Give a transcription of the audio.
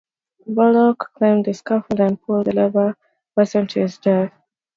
Bullock climbed the scaffold and pulled the lever, sending Watson to his death.